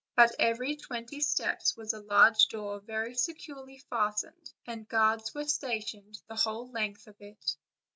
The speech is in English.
At every twenty steps was a large door very securely fastened, and guards were stationed the whole length of it.